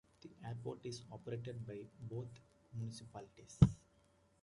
The airport is operated by both municipalities.